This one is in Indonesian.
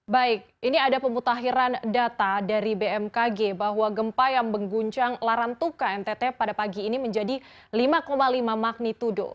baik ini ada pemutahiran data dari bmkg bahwa gempa yang mengguncang larantuka ntt pada pagi ini menjadi lima lima magnitudo